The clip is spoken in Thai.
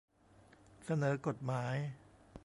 เสนอกฎหมาย